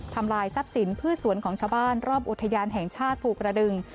ทำลายทรัพย์สินพืชสวนของชาวบ้านรอบอุทยานแห่งชาติภูกระดึง